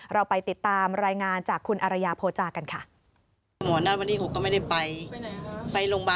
เราไปติดตามรายงานจากคุณอารยาโภจากันค่ะ